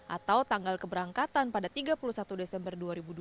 atau tanggal keberangkatan pada tiga puluh satu desember dua ribu dua puluh